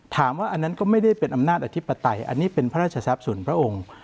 อันนั้นก็ไม่ได้เป็นอำนาจอธิปไตยอันนี้เป็นพระราชทรัพย์ส่วนพระองค์